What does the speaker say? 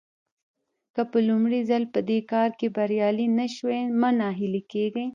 که په لومړي ځل په دې کار کې بريالي نه شوئ مه ناهيلي کېږئ.